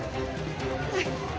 はい。